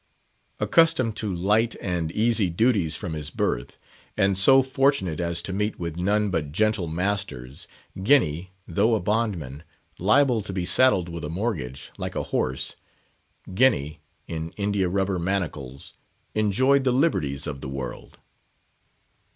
Accustomed to light and easy duties from his birth, and so fortunate as to meet with none but gentle masters, Guinea, though a bondman, liable to be saddled with a mortgage, like a horse—Guinea, in India rubber manacles, enjoyed the liberties of the world.